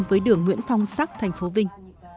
với đường nguyễn phong sắc thành phố vinh